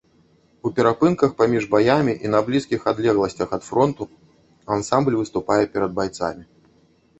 У перапынках паміж баямі і на блізкіх адлегласцях ад фронту ансамбль выступае перад байцамі.